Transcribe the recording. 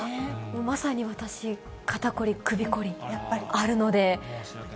まさに私、肩凝り、首凝りあるので。